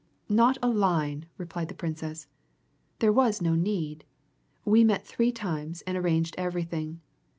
"Not a line!" replied the Princess. "There was no need. We met three times and arranged everything.